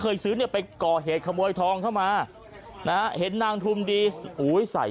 เคยซื้อเนี่ยไปก่อเห็ดขโมยทองเข้ามานะเห็นนางทุมดีใส่